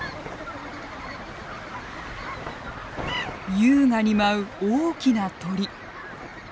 優雅に舞う大きな鳥。